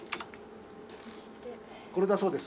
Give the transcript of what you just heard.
これだそうです。